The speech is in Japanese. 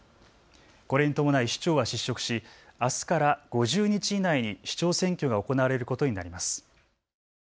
これに伴い市長は失職しあすから５０日以内に市長選挙が行われることになります。